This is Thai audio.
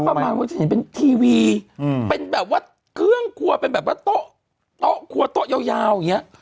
ประมาณว่าจะเห็นเป็นทีวีเป็นแบบว่าเครื่องครัวเป็นแบบว่าโต๊ะโต๊ะครัวโต๊ะยาวอย่างนี้